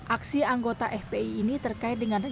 aksi anggota fpi ini terkait dengan rencana